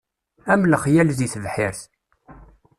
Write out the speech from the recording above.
Am lexyal di tebḥirt.